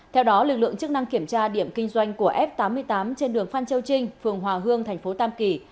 theo đó lực lượng chức năng kiểm tra điểm kinh doanh của f tám mươi tám trên đường phan châu trinh phường hòa hương thành phố tam kỳ